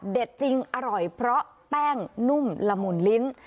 จริงอร่อยเพราะแป้งนุ่มละมุนลิ้น